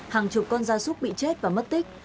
hàng chục con gia súc bị chết và mất tích